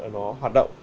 nó hoạt động